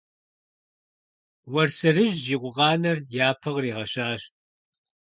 Уэрсэрыжь и гукъанэр япэ къригъэщащ.